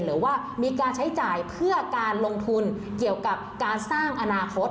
หรือว่ามีการใช้จ่ายเพื่อการลงทุนเกี่ยวกับการสร้างอนาคต